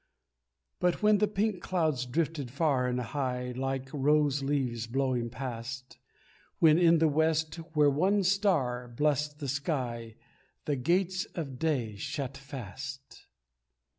But when the pink clouds drifted far and high, Like rose leaves blowing past, When in the west where one star blessed the sky The gates of day shut fast.